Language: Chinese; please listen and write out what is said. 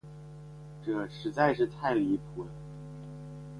这实在是太离谱了。